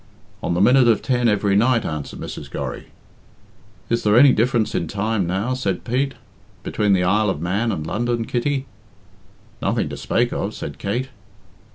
"On the minute of ten every night," answered Mrs. Gorry. "Is there any difference in time, now," said Pete, "between the Isle of Man and London, Kitty?" "Nothing to speak of," said Kate.